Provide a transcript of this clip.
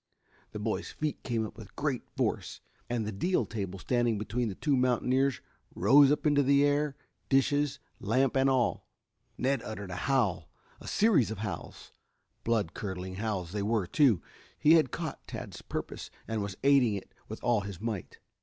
The boy's feet came up with great force, and the deal table standing between the two mountaineers rose up into the air, dishes, lamp and all. Ned uttered a howl, a series of howls. Blood curdling howls they were, too. He had caught Tad's purpose and was aiding it with all his might.